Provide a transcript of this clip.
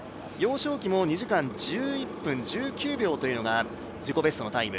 楊紹輝も２時間１１分１９秒というのが自己ベストのタイム。